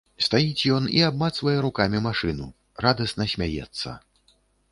Стаіць ён і абмацвае рукамі машыну, радасна смяецца.